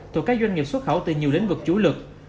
thuộc các doanh nghiệp xuất khẩu từ nhiều lĩnh vực chủ lực